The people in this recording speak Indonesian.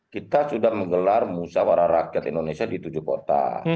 kita sudah menggelar musyawarah rakyat indonesia di tujuh kota